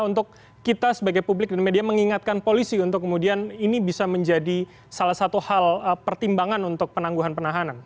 untuk kita sebagai publik dan media mengingatkan polisi untuk kemudian ini bisa menjadi salah satu hal pertimbangan untuk penangguhan penahanan